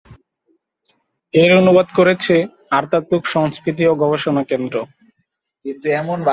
এর অনুবাদ করেছে "আতাতুর্ক সংস্কৃতি ও গবেষণা কেন্দ্র।"